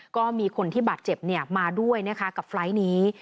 ก็มีคนที่บาดเจ็บมาด้วยนะคะกับไฟล์ทนี้